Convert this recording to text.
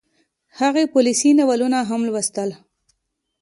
هغې پوليسي ناولونه هم لوستل